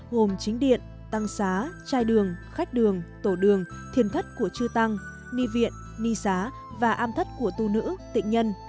gồm chính điện tăng xá chai đường khách đường tổ đường thiền thất của chư tăng ni viện ni xá và am thất của tu nữ tịnh nhân